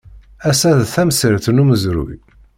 Ass-a d tamsirt n umezruy.